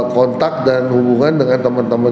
kontak dan hubungan dengan teman teman